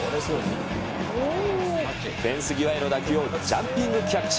フェンス際への打球をジャンピングキャッチ。